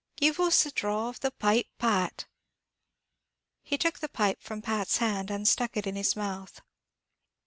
Give us a draw of the pipe, Pat." He took the pipe from Pat's hand, and stuck it in his mouth.